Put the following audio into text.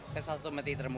saya salah satu metin